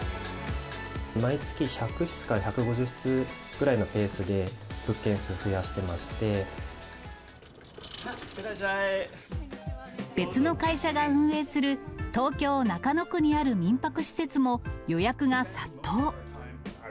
毎月１００室から１５０室ぐらいのペースで、別の会社が運営する、東京・中野区にある民泊施設も、予約が殺到。